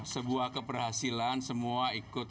sebuah keberhasilan semua ikut